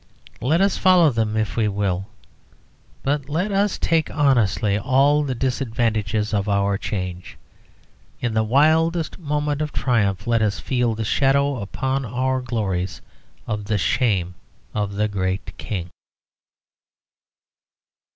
Let us follow them if we will, but let us take honestly all the disadvantages of our change; in the wildest moment of triumph let us feel the shadow upon our glories of the shame of the great king.